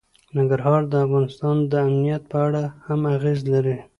ننګرهار د افغانستان د امنیت په اړه هم اغېز لري.